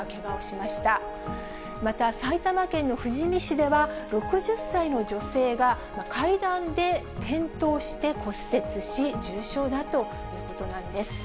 また、埼玉県の富士見市では、６０歳の女性が階段で転倒して骨折し、重傷だということなんです。